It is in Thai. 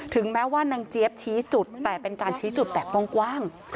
แม้ว่านางเจี๊ยบชี้จุดแต่เป็นการชี้จุดแบบกว้าง